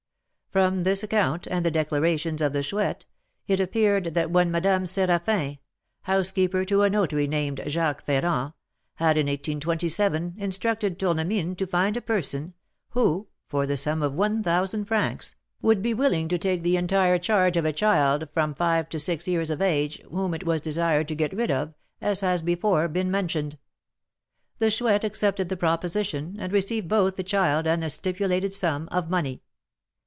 "From this account, and the declarations of the Chouette, it appeared that one Madame Séraphin, housekeeper to a notary named Jacques Ferrand, had in 1827 instructed Tournemine to find a person who, for the sum of one thousand francs, would be willing to take the entire charge of a child of from five to six years of age whom it was desired to get rid of, as has before been mentioned. "The Chouette accepted the proposition, and received both the child and the stipulated sum of money.